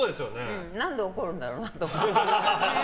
何で怒るんだろうなと思う。